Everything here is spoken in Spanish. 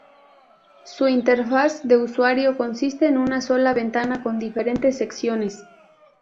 Su interfaz de usuario consiste en una sola ventana con diferentes secciones.